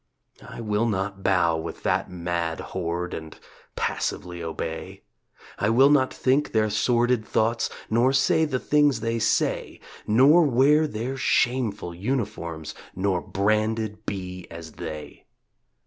I will not bow with that mad horde And passively obey. I will not think their sordid thoughts Nor say the things they say, Nor wear their shameful uniforms, Nor branded be as they.